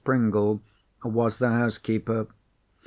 Pringle was the housekeeper.